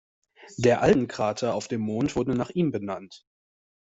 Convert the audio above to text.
Der Alden Krater auf dem Mond wurde nach ihm benannt.